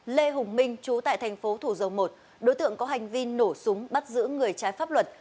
lê hùng minh chú tại thành phố thủ dầu một đối tượng có hành vi nổ súng bắt giữ người trái pháp luật